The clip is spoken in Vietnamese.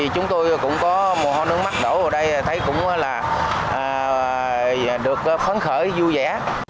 chúng tôi cũng có mùa hôn nước mắt đổ vào đây thấy cũng là được phấn khởi vui vẻ